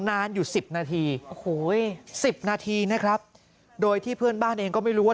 นานอยู่สิบนาทีโอ้โหสิบนาทีนะครับโดยที่เพื่อนบ้านเองก็ไม่รู้ว่า